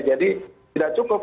jadi tidak cukup